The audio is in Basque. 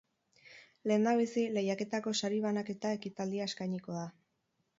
Lehendabizi, lehiaketako sari banaketa ekitaldia eskainiko da.